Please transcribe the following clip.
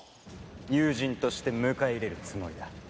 友人として迎え入れるつもりだ。